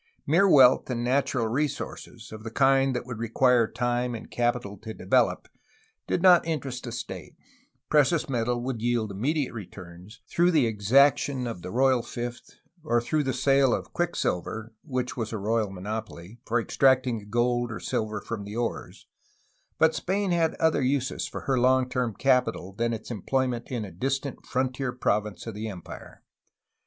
Mere wealth in natural resources, of the kind that would require time and 186 PROGRESS OF OVERLAND ADVANCE 187 capital to develop, did not interest the state; precious metal would yield immediate returns, through the exaction of the royal fifth or through the sale of quicksilver (which was a royal monopoly) for extracting the gold or silver from the ores, but Spain had other uses for her long term capital than its employment in a distant frontier province of the empire.